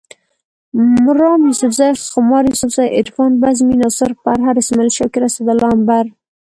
مرام یوسفزے، خمار یوسفزے، عرفان بزمي، ناصر پرهر، اسماعیل شاکر، اسدالله امبر